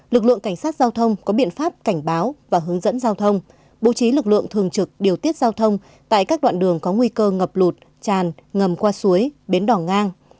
lực lượng cảnh sát giao thông có biện pháp cảnh báo và hướng dẫn giao thông bố trí lực lượng thường trực điều tiết giao thông tại các đoạn đường có nguy cơ ngập lụt tràn ngầm qua suối bến đỏ ngang